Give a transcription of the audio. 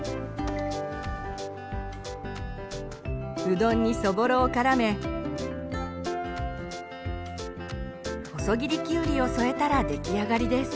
うどんにそぼろをからめ細切りきゅうりを添えたら出来上がりです。